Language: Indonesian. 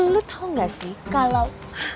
lu tahu nggak sih kalau